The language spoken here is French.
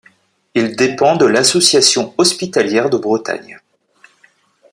Il dépend de l'Association hospitalière de Bretagne.